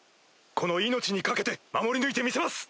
この命に懸けて守り抜いてみせます！